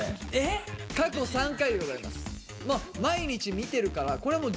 過去３回でございます。